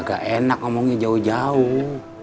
gak enak ngomongnya jauh jauh